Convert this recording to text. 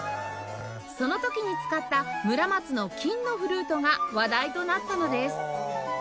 その時に使った村松の金のフルートが話題となったのです